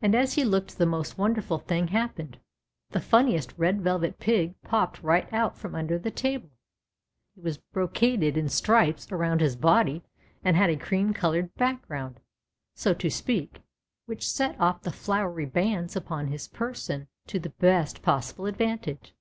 And as he looked the most wonderful thing happened. The funniest Red Velvet Pig popped right out from under the table ! He was brocaded in strijjes around his body and had a cream colored background, so to speak, which set off the flowery bands upon his person to the best possible advantage.